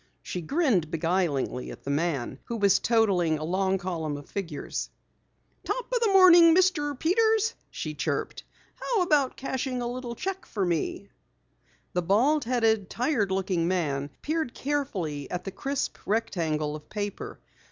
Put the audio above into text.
She grinned beguilingly at the man who was totaling a long column of figures. "Top o' the morning, Mr. Peters," she chirped. "How about cashing a little check for me?" The bald headed, tired looking man peered carefully at the crisp rectangle of paper.